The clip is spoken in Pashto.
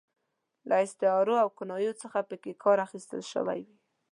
له استعارو او کنایو څخه پکې کار اخیستل شوی وي.